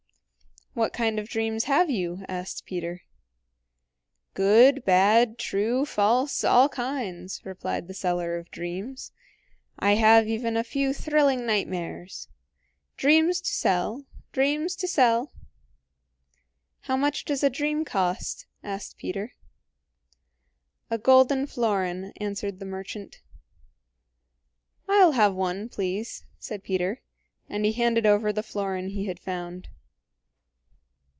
"What kind of dreams have you?" asked Peter. "Good, bad, true, false all kinds," replied the seller of dreams. "I have even a few thrilling nightmares. Dreams to sell! Dreams to sell!" "How much does a dream cost?" asked Peter. "A golden florin," answered the merchant. "I'll have one, please," said Peter; and he handed over the florin he had found.